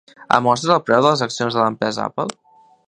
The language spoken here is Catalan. Em mostres el preu de les accions de l'empresa Apple?